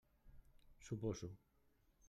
Suposo.